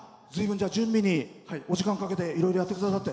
準備にお時間かけていろいろやってくださって。